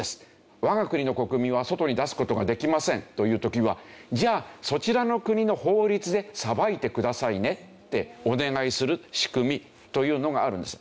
「我が国の国民は外に出す事ができません」という時はじゃあそちらの国の法律で裁いてくださいねってお願いする仕組みというのがあるんですよ。